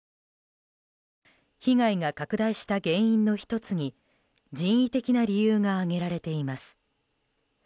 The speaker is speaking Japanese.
被害が拡大した原因の１つに人為的な理由が挙げられています。